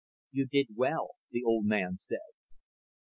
"You did well," the old man said.